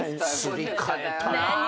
すり替えたなぁ。